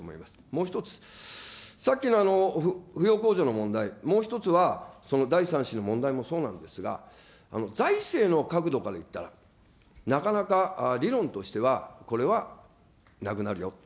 もう１つ、さっきの扶養控除の問題、もう１つは、第３子の問題もそうなんですが、財政の角度からいったら、なかなか理論としては、これはなくなるよ。